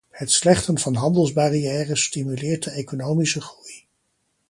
Het slechten van handelsbarrières stimuleert de economische groei.